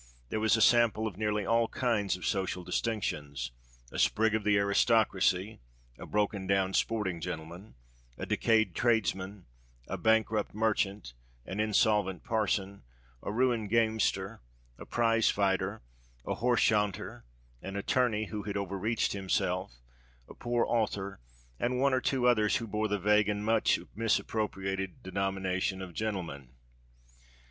There was a sample of nearly all kinds of social distinctions,—a sprig of the aristocracy—a broken down sporting gentleman—a decayed tradesman—a bankrupt merchant—an insolvent parson—a ruined gamester—a prize fighter—a horse chaunter—an attorney, who had over reached himself—a poor author—and one or two others who bore the vague and much misappropriated denomination of "gentleman."